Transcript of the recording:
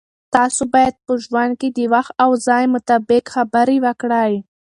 تاسو باید په ژوند کې د وخت او ځای مطابق خبرې وکړئ.